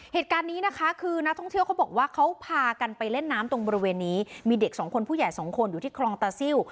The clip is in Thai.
เหตุการณ์นี้นะคะคือนักท่องเที่ยวเขาบอกว่าเขาพากันไปเล่นน้ำตรงบริเวณนี้มีเด็กสองคนผู้ใหญ่สองคนอยู่ที่คลองตาซิล